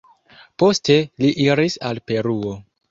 Poste li iris al Peruo.